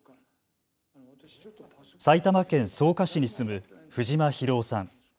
埼玉県草加市に住む藤間宏夫さん。